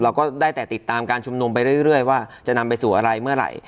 ก็ได้แต่ติดตามการชุมนุมไปเรื่อยว่าจะนำไปสู่อะไรเมื่อไหร่